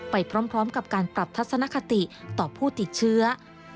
ไปพร้อมกับการปรับทัศนคติต่อผู้ติดเชื้อ